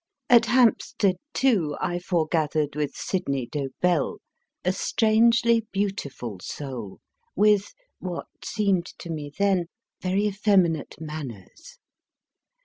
At Hampstead, too, I foregathered with Sydney Dobell, a strangely beautiful soul, with (what seemed to me then) very effeminate manners.